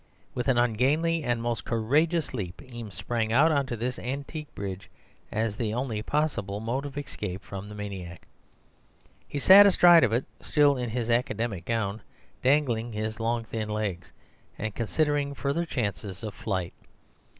With an ungainly and most courageous leap, Eames sprang out on this antique bridge, as the only possible mode of escape from the maniac. He sat astride of it, still in his academic gown, dangling his long thin legs, and considering further chances of flight.